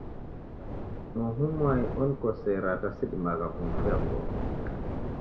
Uhu mwai onikosera ata sidimagha kumufuya wu'ghoma